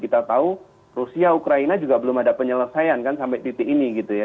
kita tahu rusia ukraina juga belum ada penyelesaian kan sampai titik ini gitu ya